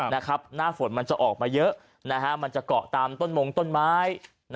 หน้าฝนมันจะออกมาเยอะมันจะเกาะตามต้นมงต้นไม้